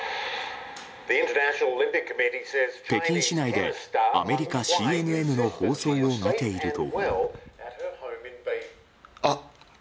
北京市内でアメリカＣＮＮの放送を見ていると。